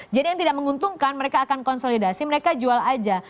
jadi yang tidak menguntungkan mereka akan konsolidasi mereka jual aja